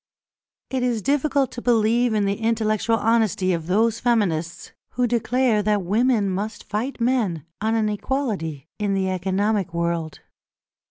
It is difficult to believe in the intellectual honesty of those feminists who declare that women must fight men on an equality in the economic world.